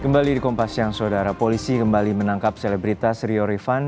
kembali di kompas siang saudara polisi kembali menangkap selebritas rio rifan